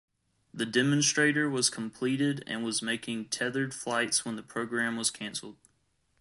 The demonstrator was completed and was making tethered flights when the program was canceled.